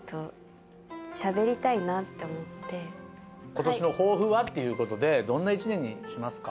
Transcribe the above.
今年の抱負は？っていうことでどんな一年にしますか？